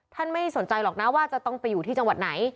ไม่สนใจหรอกนะว่าจะต้องไปอยู่ที่จังหวัดไหน